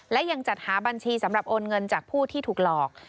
และยังจัดหาบัญชีสำหรับโอนเงินจากผู้ที่ถูกหลอก